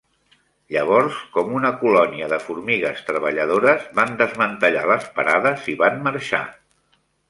Llavors, coma una colònia de formigues treballadores, van desmantellar les parades i van marxar.